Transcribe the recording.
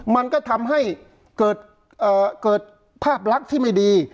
มันก็ทำให้เกิดภาพลักษณ์ที่ไม่ดี